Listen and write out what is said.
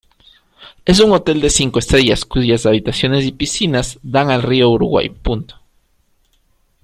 Es un hotel de cinco estrellas cuyas habitaciones y piscinas dan al Río Uruguay.